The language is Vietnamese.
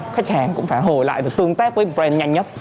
khách hàng cũng phải hồi lại tương tác với brand nhanh nhất